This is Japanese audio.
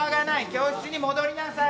教室に戻りなさい。